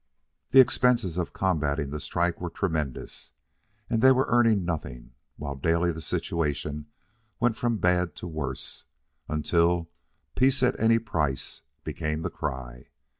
The expenses of combating the strike were tremendous, and they were earning nothing, while daily the situation went from bad to worse, until "peace at any price" became the cry.